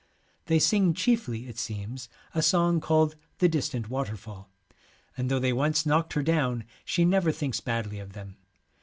They sing chiefly, it seems, a song called ' The Distant Waterfall,' and though they once knocked her down she never thinks badly of them.